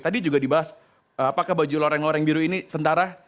tadi juga dibahas apakah baju loreng loreng biru ini sentara